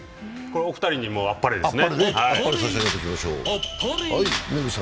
お二人にあっぱれですね。